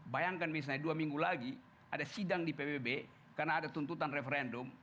bayangkan misalnya dua minggu lagi ada sidang di pbb karena ada tuntutan referendum